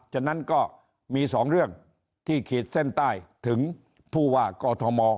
ฉะนั้นก็มีสองเรื่องที่ขีดเส้นใต้ถึงผู้ว่ากอทม